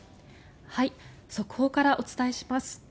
速報からお伝えします。